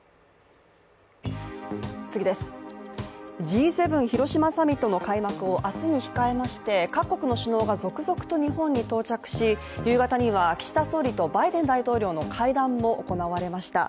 Ｇ７広島サミットの開幕を明日に控えまして各国の首脳が続々と日本に到着し、夕方には岸田総理とバイデン大統領の会談も行われました。